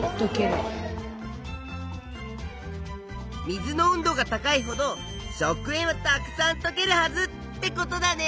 水の温度が高いほど食塩はたくさんとけるはずってことだね。